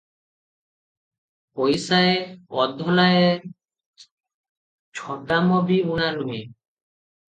ପଇସାଏ, ଅଧଲାଏ, ଛଦାମ ବି ଊଣା ନୁହେଁ ।